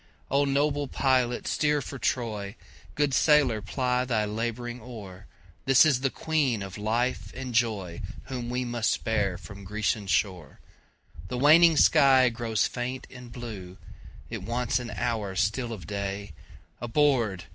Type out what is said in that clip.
O noble pilot steer for Troy, Good sailor ply the labouring oar, This is the Queen of life and joyWhom we must bear from Grecian shore! The waning sky grows faint and blue, It wants an hour still of day, Aboard!